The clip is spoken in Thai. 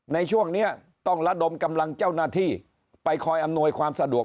ในช่วงนี้ต้องระดมกำลังเจ้าหน้าที่ไปคอยอำนวยความสะดวก